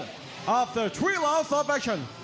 หลังจาก๓รอบสอบแอคชั่น